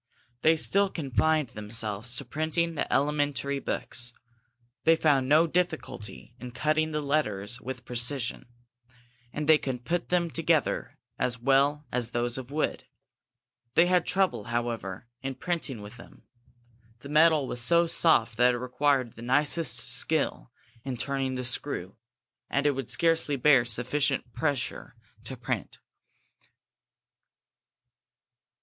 They still confined themselves to printing the elementary books. They found no difficulty in cutting the letters with precision, and they could put them together as well as those of wood; they had trouble, however, in printing with them. The metal was so soft that it required the nicest skill in turning the screw, as it would scarcely bear sufficient pressure to print.